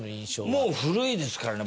もう古いですからね